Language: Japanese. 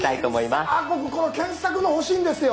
あ僕この検索の欲しいんですよ。